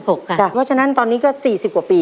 เพราะฉะนั้นตอนนี้ก็๔๐กว่าปี